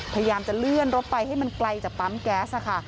พยายามจะเลื่อนรถไปให้มันไกลจากปั๊มแก๊สค่ะ